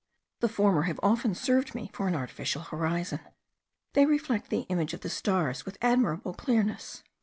The former have often served me for an artificial horizon; they reflect the image of the stars with admirable clearness.